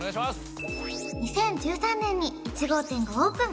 ２０１３年に１号店がオープン